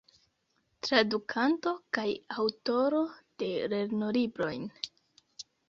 Tradukanto kaj aŭtoro de lernolibroj.